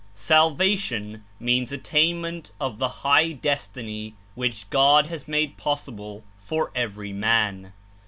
Salvation means attainment of the high destiny which God has made possible for every man.